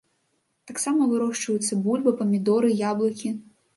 Таксама вырошчваюцца бульба, памідоры, яблыкі.